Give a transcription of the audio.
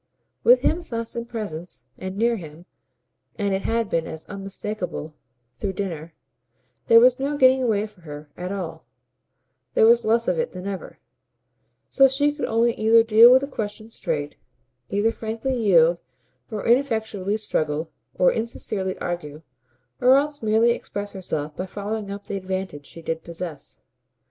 With him thus in presence, and near him and it had been as unmistakeable through dinner there was no getting away for her at all, there was less of it than ever: so she could only either deal with the question straight, either frankly yield or ineffectually struggle or insincerely argue, or else merely express herself by following up the advantage she did possess.